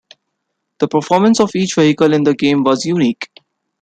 The performance of each vehicle in the game was unique.